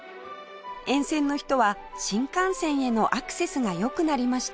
沿線の人は新幹線へのアクセスが良くなりました